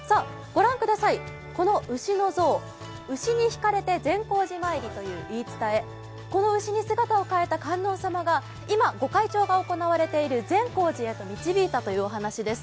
ごらんください、この牛の像「牛に引かれて善光寺参り」という言い伝えこの牛に姿を変えた観音様が今、御開帳が行われている善光寺へと導いたというお話です。